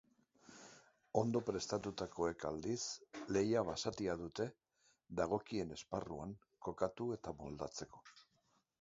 Ondo prestatutakoek aldiz lehia basatia dute dagokien esparruan kokatu eta moldatzeko.